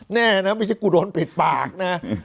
แน่นะไม่ใช่กูโดนปิดปากนะ